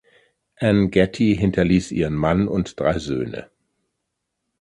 Ann Getty hinterließ ihren Mann und drei Söhne.